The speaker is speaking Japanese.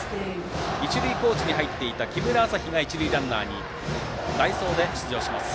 一塁コーチに入っていた木村元陽が一塁ランナーに代走で出場します。